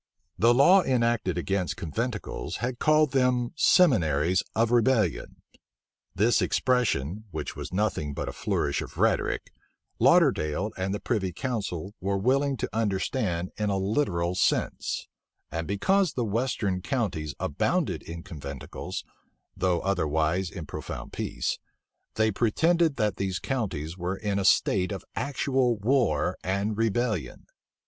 The law enacted against conventicles had called them seminaries of rebellion. This expression, which was nothing but a flourish of rhetoric, Lauderdale and the privy council were willing to understand in a literal sense; and because the western counties abounded in conventicles, though otherwise in profound peace, they pretended that these counties were in a state of actual war and rebellion.